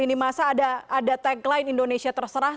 di masa ada tagline indonesia terserah